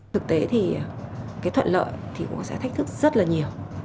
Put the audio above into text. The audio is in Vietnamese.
thực tế thì cái thuận lợi thì cũng sẽ thách thức rất là nhiều